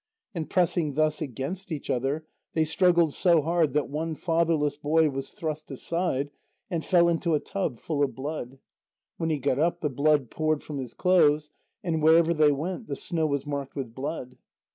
And pressing thus against each other, they struggled so hard that one fatherless boy was thrust aside and fell into a tub full of blood. When he got up, the blood poured from his clothes, and wherever they went, the snow was marked with blood.